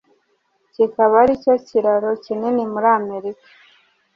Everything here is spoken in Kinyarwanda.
kikaba aricyo kiraro kinini muri Amerika.